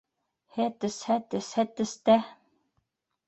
Һәтес, һәтес, һәтес тә